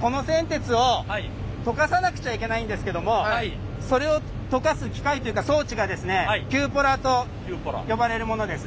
この銑鉄を溶かさなくちゃいけないんですけどもそれを溶かす機械というか装置がキューポラと呼ばれるものです。